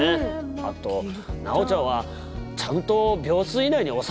あと奈央ちゃんはちゃんと秒数以内におさめてほしいな。